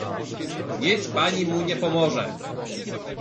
"Nic pani mu nie pomoże."